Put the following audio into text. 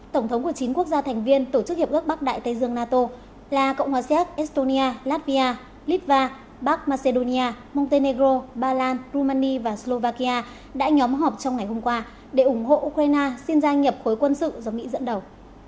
tổng thống của chín quốc gia thành viên tổ chức hiệp ước bắc đại tây dương nato là cộng hòa xét estonia latvia litva bắc macedonia montenego ba lan rumania và slovakia đã nhóm họp trong ngày hôm qua để ủng hộ ukraine xin gia nhập khối quân sự do mỹ dẫn đầu